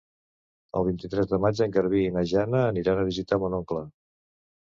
El vint-i-tres de maig en Garbí i na Jana aniran a visitar mon oncle.